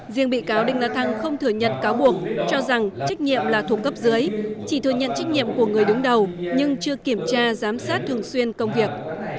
riêng bị cáo đinh la thăng không thừa nhận cáo buộc cho rằng trách nhiệm là thuộc cấp dưới chỉ thừa nhận trách nhiệm của người đứng đầu nhưng chưa kiểm tra giám sát thường xuyên công việc